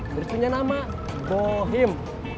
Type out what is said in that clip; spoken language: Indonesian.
terus punya nama bohim